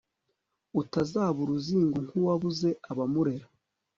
utazaba uruzingo nk'uwabuze abamurera